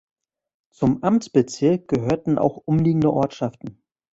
Zum Amtsbezirk gehörten auch umliegende Ortschaften.